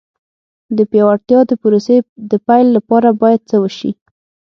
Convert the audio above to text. د پیاوړتیا د پروسې د پیل لپاره باید څه وشي.